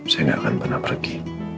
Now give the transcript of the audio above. saya tidak akan pernah pergi